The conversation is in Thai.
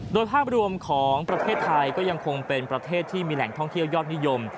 โดยภาพรวมของประเทศไทยก็ยังคงเป็นประเทศที่มีแหล่งท่องเที่ยวยอดนิยม